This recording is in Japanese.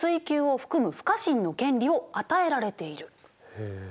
へえ。